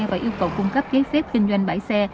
và yêu cầu cung cấp giấy phép kinh doanh bãi xe